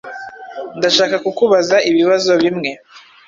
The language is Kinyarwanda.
Ndashaka kukubaza ibibazo bimwe.